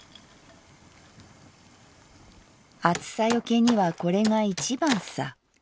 「『暑さよけにはこれがいちばんさ』。